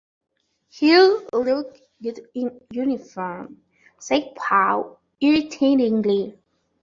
“He’ll look good in uniform,” said Paul irritatingly.